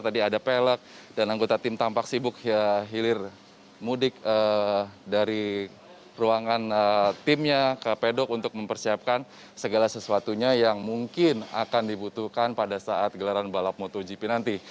tadi ada pelak dan anggota tim tampak sibuk hilir mudik dari ruangan timnya ke pedok untuk mempersiapkan segala sesuatunya yang mungkin akan dibutuhkan pada saat gelaran balap motogp nanti